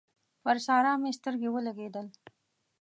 پر سارا مې سترګې ولګېدل